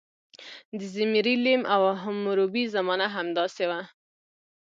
د زیمري لیم او حموربي زمانه همداسې وه.